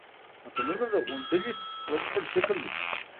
متلونه د غونډلې بشپړ شکل لري